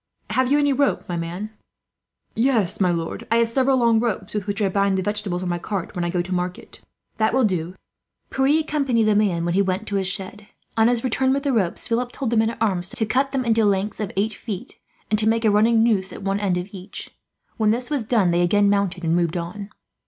"Have you any rope, my man?" "Yes, my lord, I have several long ropes, with which I bind the vegetables on my cart when I go to market." "That will do. Bring them at once." Pierre accompanied the man when he went to his shed. On his return with the ropes, Philip told the men at arms to cut them into lengths of eight feet, and to make a running noose at one end of each. When this was done, they again mounted and moved on.